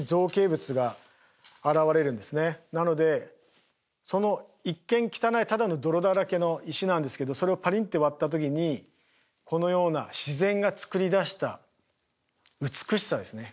なのでその一見汚いただの泥だらけの石なんですけどそれをパリンって割った時にこのような自然がつくり出した美しさですね